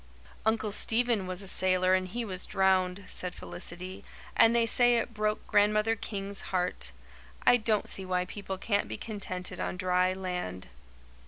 "Uncle Stephen was a sailor and he was drowned," said Felicity, "and they say it broke Grandmother King's heart. I don't see why people can't be contented on dry land."